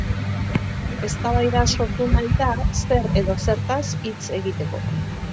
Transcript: Eztabaida sortu nahi da zer edo zertaz hitz egiteko.